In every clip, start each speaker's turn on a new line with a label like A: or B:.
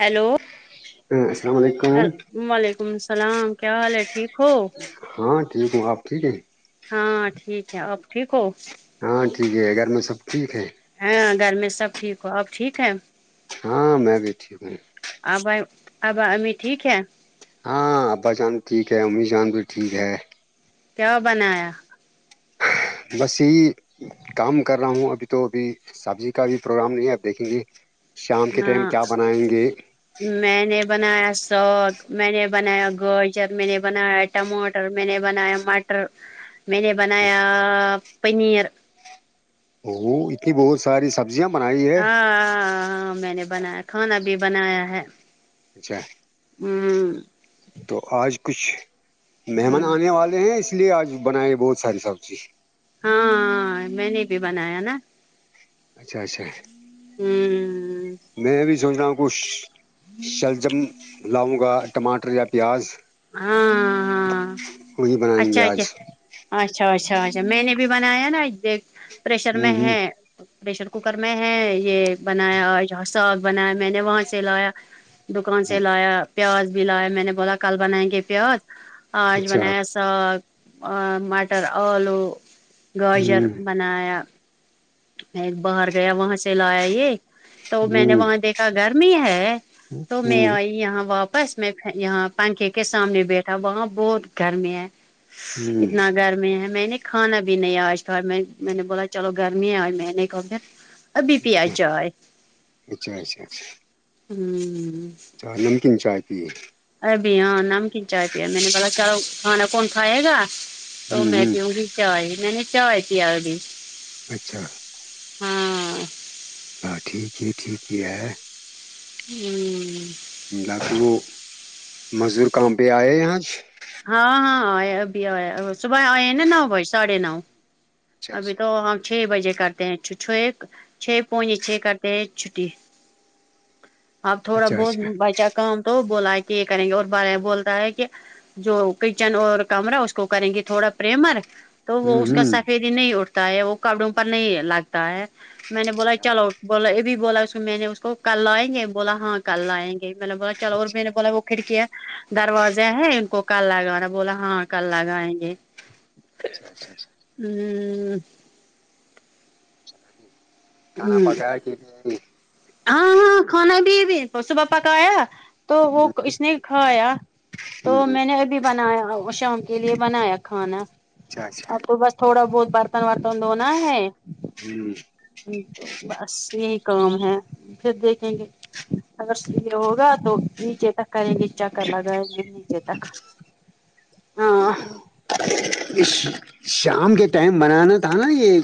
A: hello
B: السلام علیکم
A: وعلیکم السلام کیا حال ہے ٹھیک ہو
B: ہاں ٹھیک ہوں آپ ٹھیک ہیں
A: ہاں ٹھیک ہے اپ ٹھیک ہو
B: ہاں ٹھیک ہے گھر میں سب ٹھیک ہے
A: ہاں گھر میں سب ٹھیک ہو اب ٹھیک ہے
B: ہاں میں گئی تھی ہ
A: ابا ابا امی ٹھیک ہے
B: ہاں ابا جان بھی ٹھیک ہے امی جان بھی ٹھیک ہے
A: کیا بنایا
B: بس یہی کام کر رہا ہوں ابھی تو ابھی سبزی کا بھی پروگرام نہیں ہے اب دیکھیں گے شام کے ٹائم
A: ہاں
B: کیا بنائیں گے
A: میں نے بنایا سواک میں نے بنایا گوجر میں نے بنایا ٹماٹر میں نے بنایا مٹر میں نے بنایا پنیر
B: ا اتے بہت ساری سب سبزیا بنائیے
A: ہ ہ میں نے بنایا کھانا بھی بنایا ہے
B: اچھا
A: ہاں
B: تو آج کچھ مہمان آنے والے ہیں اس لیے آج بنائے بہت ساری سبزی
A: ہاں میں نے بھی بنایا نا
B: اچھا اچھا
A: ہ
B: میں بھی سوچ رہا ہوں کچھ شلجم لاؤں گا ٹماٹر یا پیاز
A: ہاں ہاں
B: وہی بنائیں
A: اچھا
B: گے
A: ا
B: آج
A: اچھا اچھا اچھا میں نے بھی بنایا نا پریشر میں
B: ہوں ہوں
A: ہے پریشر کوکر میں ہے یہ بنایا ساگ بنایا میں نے وہاں سے لایا دکان سے
B: ہ
A: لایا پیاز بھی لایا میں نے بولا کل بنائیں گے پیاز آج
B: اچھا
A: بنایا ساگ مٹر آلو گاجر
B: ہوں
A: بناایا میں باہر گیا وہاں چلایا یہ تو میں نے
B: ہوں
A: وہاں دیکھا گرمی ہے تو میں
B: ہوں
A: آئی یہاں واپس میں یہاں پنکھے کے سامنے بیٹھا وہاں بہت گھر میں ہے
B: ہوں
A: اتنا گرمی ہے میں نے کھانا بھی نہیں آج تھا میں میں نے بولا چلو گرم می آ میں نہیں کر د
B: اچھا اچھا اچھا اچھا
A: ہوں
B: چاہ نمکین چائے پیے
A: ارب ہاں نمکن چائے پیا میں نے ب چلو کھانا کون کھائے گا تو
B: ہوں
A: میں
B: ہوں
A: پیوں گی چائے میں نے چائے پ ابھی
B: اچھا
A: ہاں
B: ہاں ٹھیک ہے ٹھیک ہے ہے
A: ہوں ہوں
B: ملا تو وہ مزدور کام پہ آئے ہیں آج
A: ہاں ہاں آ اب آ صبح آئے ہیں نا نو بجے ساڑھے نو
B: اچھا
A: ابھی
B: اچھا
A: تو ہم چھ بجے کرتے ہیں چھ چھ پونے چھ کرتے ہیں چھٹی آپ تھوڑا
B: اچھا
A: بہت
B: اچھا
A: بائ چ کام تو بولا ہے کہ یہ کریں گے اور بارے میں بولتا ہے کہ جو کچن اور کمرا اس کو کریں گی تھوڑا پریمر تو وہ
B: ہوں
A: اس کا
B: ہوں
A: سفیدی نہیں اٹھتا ہے وہ کپڑوں پر نہیں لگتا ہے میں نے بولا
B: اچھا
A: چلو
B: اچھا
A: بولا یہ بھی بولا اس میں نے اس کو کل لائیں گے بولا ہاں کل لائیں گے میں نے بولا چلو اور میں نے
B: اچھا
A: بولا وہ کھڑکیا دروازہ ہے ان کو کل لگانا بولا ہاں کل لگائیں گے
B: اچھاچھا اچا
A: ہوں
B: کانا پتاا ہے کہ
A: ہاں ہاں کانا بھی بھی پشو پپا کا آیا تو وہ اس نے کھایا تو میں نے ابھی بنایا شام کے لیے بنایا کھانا
B: اچھا اچھا
A: اب تو بس تھوڑا بہت بر برتن ورتن دھونا ہے تو بس یہی کام ہے پھر دیکھیں گے اگر س یہ ہوگا تو نیچے تک کریں گے چکر لگائیں گے نیچے تک [inaudible]
B: [inaudible] شام کے ٹائم بنانا تھا نا یہ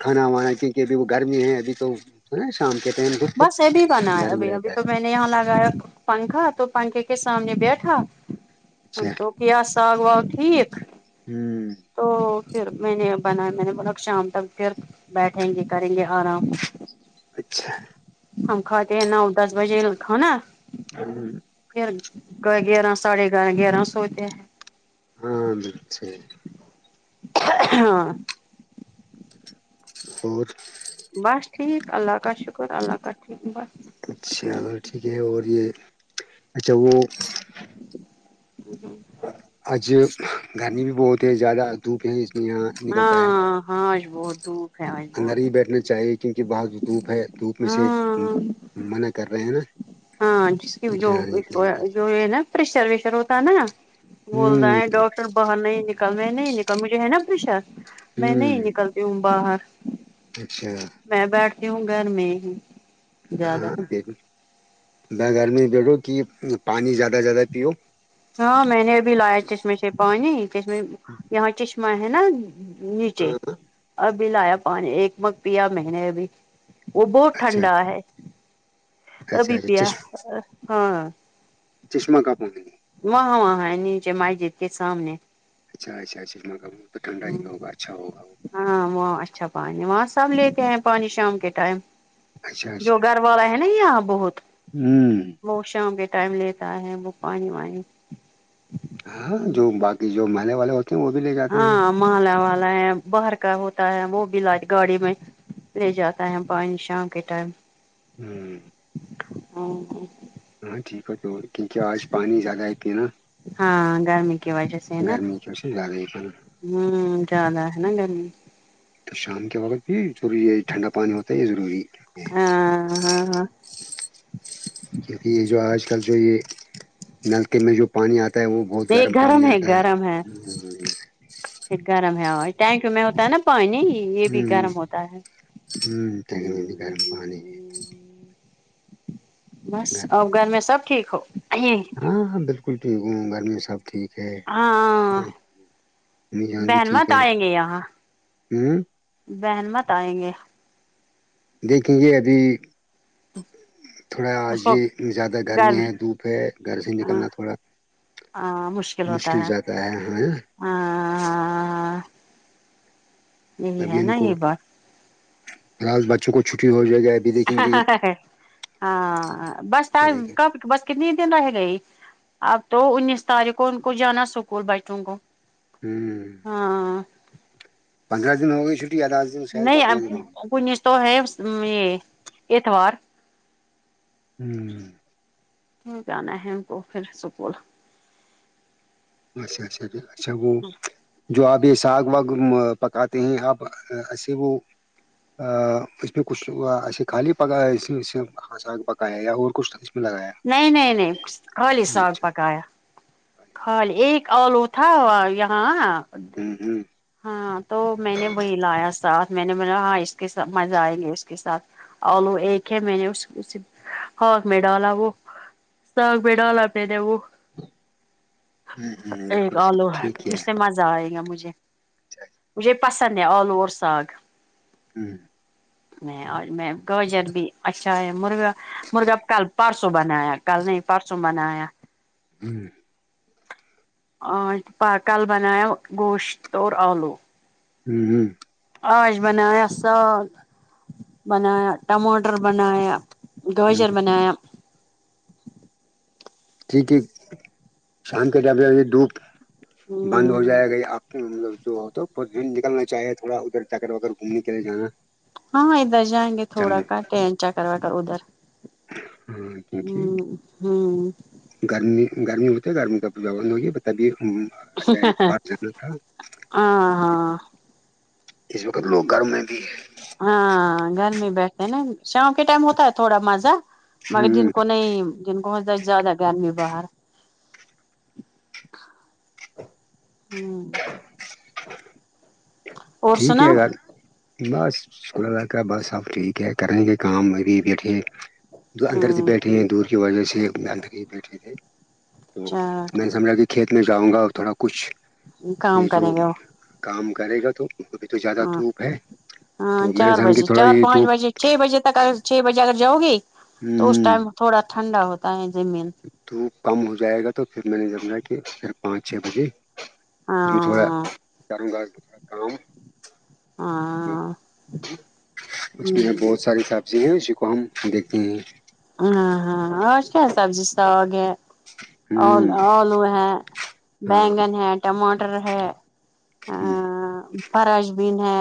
B: کھانا وانا کیونکہ ابھی وہ گرمی ہے ابھی تو ا شام کے ٹائم تو پھر
A: بس یہ بھی بنا ہے
B: گھر میں
A: ابھی ابھی
B: رہتا
A: تو میں نے نے یہاں لگایا پنکھا تو پنکھے کے سامنے بیٹھا
B: اچھا
A: تو یا سگ وگ ٹھیک
B: ہوں
A: تو پھر میں نے بنا میں نے بولا شام تک پھر بیٹھیں گے کریں گے آرام
B: اچھا
A: ہم خاتے ن دس بجے کا نا
B: [inaudible]
A: پھر گیارہ ساڑھے گیارہ گیارہ سوتے
B: ہاں بالک صی
A: ہاں
B: اور
A: بس ٹھیک اللہ کا شکر اللہ کا ٹھیک بس
B: اچھا ٹھیک ہے اور یہ اچھا وہ
A: ج ہ
B: اج گرمی بھی بہت ہے زیاد دھوپیں نکلتا ہے
A: ہاں ہاں آج بہت دھوپ ہے آج
B: اندر
A: بہت
B: ہی
A: دھوپ
B: بیٹھنا چاہیے کیونکہ باہر دھوپ ہے دھوپ میں سے
A: ہاں
B: منع کر رہے ہیں نا
A: ہاں جس کی جو
B: جانے کے لیے
A: جو یہ نا پریشر وشر ہوتا ہے نا بول رہا
B: ہوں
A: ہے ڈاکٹر باہر نہیں نکل میں نہیں نکل مجھے ہے نا پریشا میں نہیں
B: ہوں
A: نکلتا ا باہر
B: اچھا
A: میں بیٹھتی ہوں گھر میں ہی زیادہ
B: ہاں دیکھ ب گھرمی بیھو کہ پانی زیادہ سے زیادہ پیو
A: ہاں میں نے ابھی لایا چشمے سے پانی چشم یہاں چشمہ ہے نا نیچے
B: ہاں
A: ابھی لایا پانی ایک مگ پیا میں نے ابھی وہ بہت
B: اچھا
A: ٹھنڈا ہے
B: اچھا
A: ابھی پیا
B: اچھا
A: ہاں
B: چشمہ کاپوں گے
A: وہاں وہاں ہے نیچے مائکے کے سامنے
B: اچھا اچھا تو ٹھنڈا ہی ہوگا اچھا ہوگا
A: ہاں وہاں اچھا پانی وہاں سب لیتے ہیں پانی شام کے ٹائم
B: اچھا اچھا
A: جو گھر والا ہے نا یہاں بہت
B: ہوں
A: وہ شام کے ٹائم لیتا ہے وہ پانی وانی
B: ہاں جو باقی جو محلے والے ہوتے ہیں وہ بھی لے جاتے ہیں
A: مالا والا ہے باہر کا ہوتا ہے وہ بھی علاج گاڑی میں لے جاتا ہے پانی شام کے ٹائم
B: ہمم
A: ہاں
B: ہاں ٹھیک ہے تو کیونکہ آج پانی زیادہ پینا
A: ہاں گرمی کی وجہ سے نا
B: گرمی کی وجہ سے زیادہ ہی پینا
A: ہوں زیاد ہے نا گرمی
B: تو شام کے وقت بھی تھوڑی یہ ہے ٹھنڈا پانی ہوتا ہے یہ ضروری
A: ہاں ہاں ہاں
B: کیونکہ یہ جو آج کل جو یہ نل کے میں جو پانی آتا ہے وہ بہت گرم پانی آتا ہے
A: یہ گرم ہے اور ٹینک میں ہوتا ہے نا پانی یہ بھی
B: ہوں
A: گرم ہوتا ہے [inaudible]
B: ہوں گرم پانی ہے،
A: بس اور گھر میں سب ٹھیک ہو
B: ہاں ہاں بالکل ٹھیک ہوں گھر میں سب ٹھیک ہے
A: ہاں
B: امی جان بھی
A: بہن
B: ٹھیک
A: مت
B: ہے ہوں
A: بحن مت آئیں گے
B: دیکھیں گے ابھی تھوڑا آج
A: اس کو
B: ہی زیادہ گرمی
A: گرم
B: ہے دھوپ ہے گھر سے
A: ہاں
B: نکلنا تھوڑا
A: ہاں مشکل
B: مشکل ہو جاتا ہے ہاں
A: ہاں یہی
B: ابھی
A: ہے
B: ان
A: نا
B: کو
A: یہ بات
B: فلہال بچوں کو چھٹی ہو جائے گا ابھی دیکھیں گے
A: ہاں بس کب بس کتنی دن رہ گئی اب تو انیس تاریخ کو ان کو جانا اسکول بچو کو
B: ہوں
A: ہاں
B: پندرہ دن ہو گئی چھٹی دن شاید
A: نہیں
B: پندرہ دن ہو
A: انیس کو تو ہے یہ اتوار
B: ھمم
A: جانا ہے ان کو پھر اسکول
B: اچھا اچھا اچھا وہ جو آپ یہ ساگ واگ پکاتے ہیں آپ ایسے وہ اس میں کچھ ایسے خالی پکایا یا اور کچھ میں لگایا
A: نہیں نہیں نہیں خالی ساگ
B: اچھا
A: پکایا خالی ایک آلو تھا یہاں
B: ھممم ھمم
A: ہاں تو میں نے وہی لایا ساتھ میں نے بولا ہاں اس کے ساتھ مزہ آئے گے اس کے ساتھ آلو ایک ہے میں نے ہاں میں ڈالا وہ ت آگ بیڈا آلہ آپ د وہ
B: ہ ہ
A: ایک
B: بالکل
A: آلو اس سے مزہ آئے گا مجھے
B: اچھا
A: مجھے پسند ہے آلو اور ساگ
B: ھمم
A: ج میں میں گاجر بھی اچھا ہے مرغا مرغا کل پرسو بنایا کل نہیں پرسوں من آیا
B: ھمم
A: کل بناؤ گوشت اور اور آلو
B: ھمم
A: آاش بنایا سال بنایا ٹماٹر بنایا گوجر بنایا [unintelligible]
B: ٹھیک ہے شام کے ڈھ بجے بجے دھوپ بند ہو
A: ہمم
B: جائے گا آپ مطلب جو نکلنا چاہیے تھوڑا ادھر جک وکر گھومنے کے لیے جانا
A: ہاں ادھر جائیں گے تھوڑا
B: چاہیے
A: کٹ اینچا کروا کرو ادھر
B: ہاں کیچ
A: ہمم ہمم
B: گرمی گرمی ہوتی ہے گرمی کاہ نہیں ہوگ ہے تبھی آجائے بار ضرور تھا
A: ہاں ہاں
B: اس وقت لوگ گرم میں بھی
A: ہاں گرمی بیٹھتے ہیں نا شام کے ٹائم ہوتا ہے تھوڑا مزہ مگر جن
B: ہ
A: کو ن جن کو زیادہ گرمی بہر [inaudible]
B: [inaudible]
A: اور
B: ٹھیک ہے
A: سنا
B: گار بس اسقا ب سب ٹھیک ہے کریں کے کام بیٹھے جو اندر سے
A: ہمم
B: بیٹھے ہیں دور کی وجہ سے اندر ہی بیٹھ رہے تھے تو
A: چار
B: میں نے سمجھا کہ کھیت میں جاؤں گا تھوڑا کچھ یہ
A: کام
B: جو
A: کریں گے وہ
B: کام کرے گا تو ابھی تو زیادہ
A: ہاں
B: دھوپ ہے
A: ہاں
B: تو میں نے
A: چار
B: سمجھ کہ
A: بجے
B: تھوڑا
A: چار
B: یہ
A: پانچ
B: دھوپ
A: بجے چھ بجے تک ا چھ بجے اگر جاؤ گی تو اس
B: ہ
A: ٹائم تھوڑا ٹھنڈا ہوتا ہے زمین
B: تو کم ہو جائے گا تو پھر میں نے جمھا کہ پھر پانچ چھ بجے جو تھوڑا
A: ہاں
B: گم گازا کا
A: ہاں
B: اس میں
A: ہاں
B: بہت ساری سبزی ہیں اسی کو ہم دیکھتے ہیں
A: ہاں ہاں اور کیا سبزی ساگ ہے ا
B: ہ
A: آلو ہے
B: ہاں
A: بگن ہے ٹماٹر ہے ا
B: ہ
A: فرش بین ہے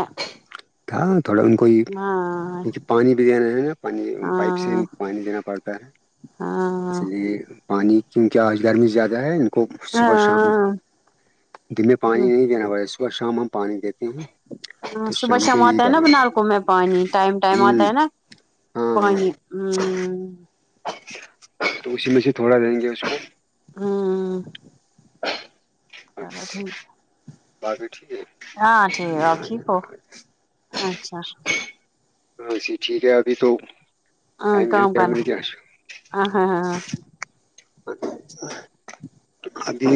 B: کہاں تھوڑا ان کوئی
A: ہاں
B: کیونکہ پانی بھی دینا ہے نا پانی پائپ سے
A: ہاں
B: پانی دینا پڑتا ہے اس
A: ہاں
B: لیے پانی کیون کیاہ آج گرمی زیادہ ہے کو صبح شام
A: ہاں
B: دن میں پانی نہیں دینا پڑا صبح شام ہم پانی دیتے ہیں
A: ہ
B: تو
A: صبح
B: کو
A: شام آتا
B: یہی
A: ہے نا
B: کرو
A: بنال کو میں پانی ٹائم ٹائم
B: ہ
A: آتا ہے نا
B: ہاں ہاں
A: پانی ہ
B: تو اسی میں سے تھوڑا دیں گے اس کو
A: ہوں چلو ٹھیک
B: باقی ٹھیک ہے
A: ہاں ٹھیک آپ ٹھیک ہو اچھا
B: ہاں جی ٹھیک ہے ابھی تو
A: ہاں کام
B: ائمیاتے ا
A: کرنا
B: ر ج آس
A: ہاں ہاں ہاں
B: ابھی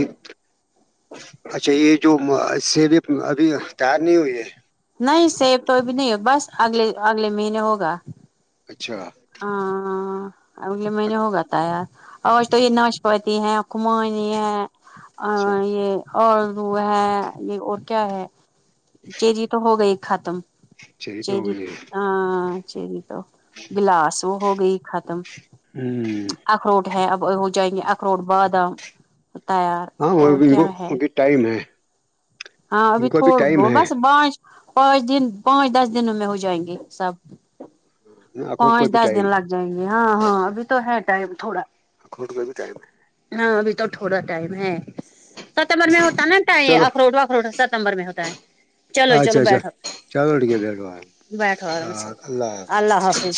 B: اچھا یہ جو سے بھی ابھی تیار نہیں ہوئی ہے
A: نہیں سیب کو بھی نہیں ہو بس اگلے اگلے مہینے ہوگا
B: اچھا
A: ہ [unintelligible] اگلے مہینے ہوگا تھا یار اور تو یہ ناشپتی ہے کمانی ہے آ
B: اچھا
A: یہ اور وہ ہے یہ اور کیا ہے چیزی تو ہو گئی ختم
B: چاہیے تو ہو
A: چری
B: گئی ہے
A: ہاں چری تو گلاس وہ ہو گئی ختم
B: ہوں
A: اخروٹ ہے اب ہو جائیں گے اخروٹ بادام تیار
B: ہاں وہ
A: اور
B: ان کو
A: کیا ہے
B: ابھی ٹائم ہے
A: ہاں
B: ان
A: ابھی
B: کو
A: تھوڑ ب
B: ٹائم ہے
A: بس بانچ پانچ دن پانچ دس دنوں میں ہو جائیں گے سب
B: اخروٹ کو
A: پانچ
B: بھی
A: دس دن
B: ٹائم
A: لگ جائیں گے ہاں ہاں ابھی تو ہے ٹائم تھوڑا
B: ہ کٹ کا بھی ٹم ہے
A: ہاں ابھی تو تھوڑا ٹائم ہے ستمبر میں ہوتا نا ٹ
B: چلو
A: اخروٹ اخروٹ ستمبر میں ہوتا تائ چلو چلو
B: اچھا اچھا
A: بیٹھو
B: چلو ٹھیک ہے بیٹھو
A: بیٹھو آرام سے
B: اللہ حافظ
A: اللہ حافظ